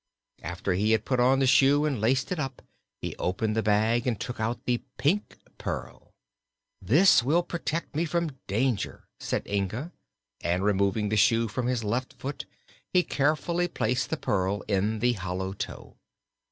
After he had put on the Shoe and laced it up he opened the bag and took out the Pink Pearl. "This will protect me from danger," said Inga, and removing the shoe from his left foot he carefully placed the pearl in the hollow toe.